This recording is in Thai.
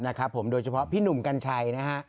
นะครับผมโดยเฉพาะพี่หนุ่มกัญชัยนะฮะ